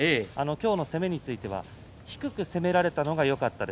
今日の攻めについては低く攻められたのがよかった。